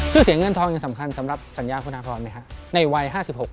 ชื่อเสียงเงินทองยังสำคัญสำหรับสัญญาคุณอาพรไหมครับในวัย๕๖